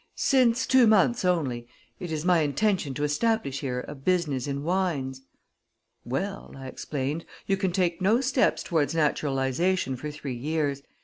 "Since two months only. It is my intention to establish here a business in wines." "Well," I explained, "you can take no steps toward naturalization for three years.